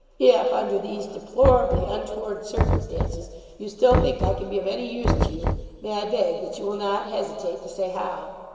If, under these deplorably untoward circumstances, you still think I can be of any use to you, may I beg that you will not hesitate to say how.